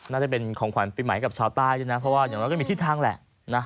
น่าจะเป็นของขวัญปีใหม่กับชาวใต้ด้วยนะเพราะว่าอย่างน้อยก็มีทิศทางแหละนะ